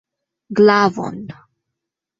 Glavon!